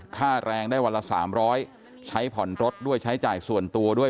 ค่าแรงได้วันละ๓๐๐ใช้ผ่อนรถด้วยใช้จ่ายส่วนตัวด้วย